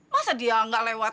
masa dia gak lewat